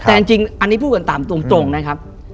แต่จริงอันนี้พูดกันตามตรงนะครับ